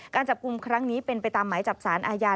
การจับกลุ่มครั้งนี้เป็นไปตามหมายจับสารอาญา